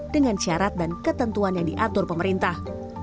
dengan syarat dan ketentuan yang diatur pemerintah